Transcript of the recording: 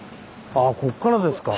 ああこっからですか。